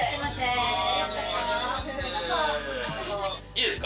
いいですか？